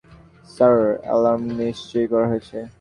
Sir, alarm নিষ্ক্রিয় করা হয়েছে।